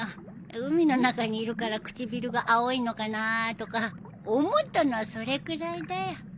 海の中にいるから唇が青いのかなとか思ったのはそれくらいだよ。